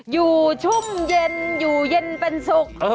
ชุ่มเย็นอยู่เย็นเป็นสุข